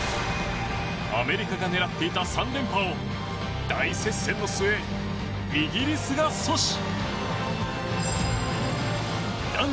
アメリカが狙っていた３連覇を大接戦の末、イギリスが阻止。